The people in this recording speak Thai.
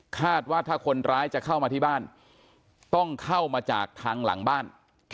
คาดว่าถ้าคนร้ายจะเข้ามาที่บ้านต้องเข้ามาจากทางหลังบ้าน